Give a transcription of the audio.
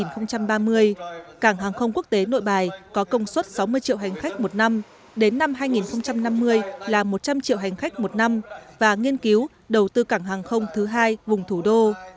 năm hai nghìn ba mươi cảng hàng không quốc tế nội bài có công suất sáu mươi triệu hành khách một năm đến năm hai nghìn năm mươi là một trăm linh triệu hành khách một năm và nghiên cứu đầu tư cảng hàng không thứ hai vùng thủ đô